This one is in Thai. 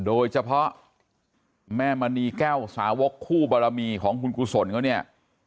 โดยเฉพาะแม่มณีแก้วสาวกคู่บรมีของคุณกุศลเขาเนี่ย